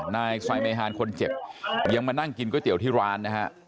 นายสวัสดิ์มายฮานคนเจ็บยังมานั่งกินก๋วยเตี๋ยวที่ร้านนะครับ